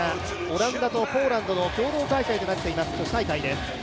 オランダとポーランドの共同開催となっています。